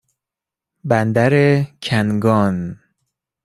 بندر کنگان